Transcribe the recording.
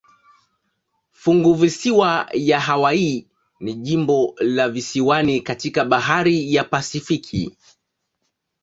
Funguvisiwa ya Hawaii ni jimbo la visiwani katika bahari ya Pasifiki.